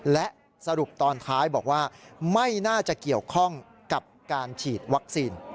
และสรุปตอนท้ายบอกว่าไม่น่าจะเกี่ยวข้องกับการฉีดวัคซีน